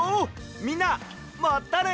みんなまたね！